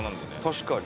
確かに。